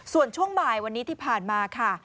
ส่วนช่วงบ่ายวันนี้ที่ผ่านมาค่ะ